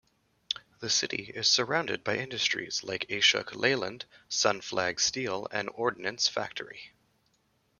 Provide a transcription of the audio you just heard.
The city is surrounded by industries like Ashok Leyland, Sunflag steel and Ordnance Factory.